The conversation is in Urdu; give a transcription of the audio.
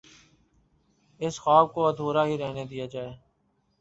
اس خواب کو ادھورا ہی رہنے دیا جائے۔